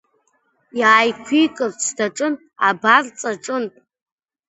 Иааиқәикырц даҿын абарҵаҿынтә.